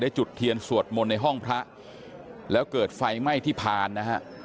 จุดเทียนสวดมนต์ในห้องพระแล้วเกิดไฟไหม้ที่พานนะฮะ